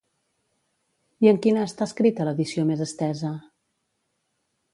I en quina està escrita l'edició més estesa?